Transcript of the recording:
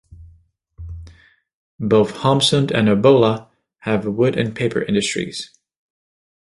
Both Holmsund and Obbola have wood and paper industries.